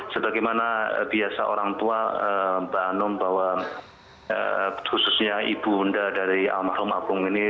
sebagaimana biasa orang tua mbak anum bahwa khususnya ibu unda dari almarhum agung ini